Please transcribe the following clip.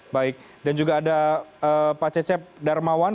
baik dan juga ada pak cecep darmawan